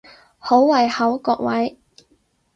好胃口各位！